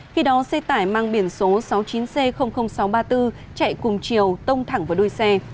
khi đó xe tải mang biển số sáu mươi chín c sáu trăm ba mươi bốn chạy cùng chiều tông thẳng vào đuôi xe